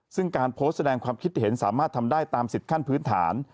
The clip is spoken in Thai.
ซึ่งการโพสต์แสดงความคิดเห็นสามารถทำได้ตามสิทธิ์ขั้นพื้นฐาน